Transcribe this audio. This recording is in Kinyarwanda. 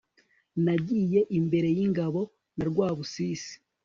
Nagiye imbere yingabo na Rwubusisi